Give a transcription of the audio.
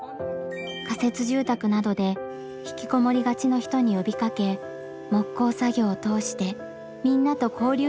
仮設住宅などで引きこもりがちの人に呼びかけ木工作業を通してみんなと交流してほしいと始めました。